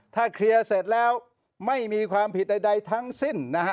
ถ้าเคลียร์เสร็จแล้วไม่มีความผิดใดทั้งสิ้นนะฮะ